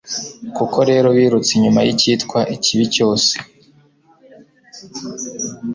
koko rero birutse inyuma y'icyitwa ikibi cyose